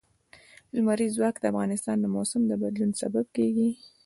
لمریز ځواک د افغانستان د موسم د بدلون سبب کېږي.